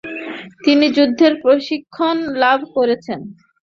তিনি যুদ্ধের প্রশিক্ষণ লাভ করেছেন।